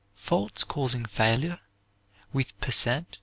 Faults causing failure, with per cent.